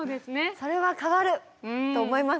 それは変わる！と思います。